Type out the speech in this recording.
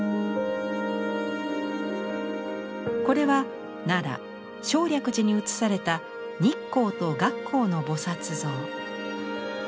これは奈良・正暦寺に移された日光と月光の菩像。